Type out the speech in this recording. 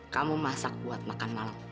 kamu masak buat makan malam